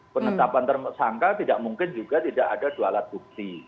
penetapan tersangka tidak mungkin juga tidak ada jualan bukti